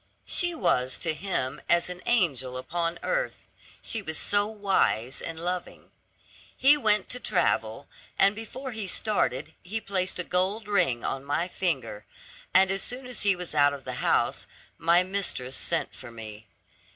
She was to him as an angel upon earth; she was so wise and loving. He went to travel, and before he started he placed a gold ring on my finger; and as soon as he was out of the house, my mistress sent for me.